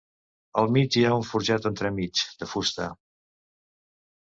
Al mig hi ha un forjat entremig, de fusta.